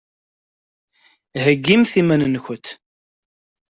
Heggimt iman-nkent.